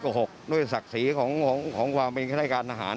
การขับบทเนี่ยเราเป็นฝ่ายบริการ